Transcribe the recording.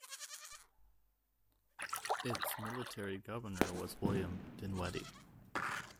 Its military governor was William Dinweddie.